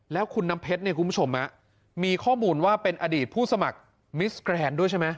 แล้วคุณน้ำเพชรเนี่ยคุณผู้ชมมีข้อมูลว่าเป็นอดีตผู้สมัครมิสแกรนด์ด้วยใช่ไหม